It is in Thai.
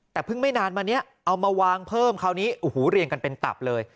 แต่เพิ่งไม่นานมานี้เอามาวางเพิ่มคราวนี้โอ้โหเรียงกันเป็นตับเลย